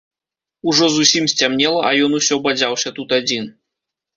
Ужо зусім сцямнела, а ён усё бадзяўся тут адзін.